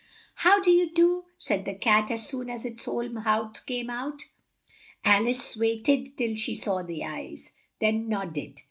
"How do you do?" said the Cat as soon as its whole mouth came out. Al ice wait ed till she saw the eyes, then nod ded.